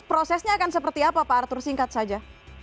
prosesnya akan seperti apa pak arthur singkat saja